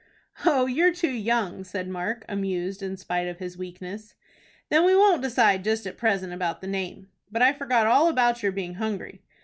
"Oh, you're too young," said Mark, amused in spite of his weakness. "Then we won't decide just at present about the name. But I forgot all about your being hungry."